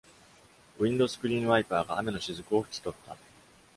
ウインドスクリーンワイパーが雨のしずくを拭き取った。